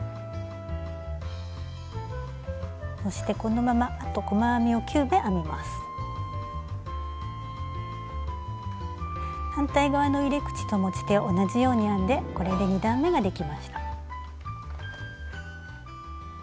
そしてこのまま反対側の入れ口と持ち手を同じように編んでこれで２段めができました。